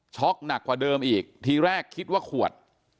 หนักกว่าเดิมอีกทีแรกคิดว่าขวด